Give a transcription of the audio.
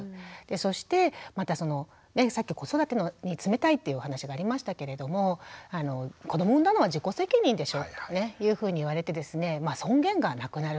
そしてまたそのさっき子育てに冷たいっていうお話がありましたけれども「子ども産んだのは自己責任でしょう？」っていうふうに言われてですねまあ尊厳がなくなると。